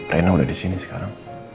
rena sudah disini sekarang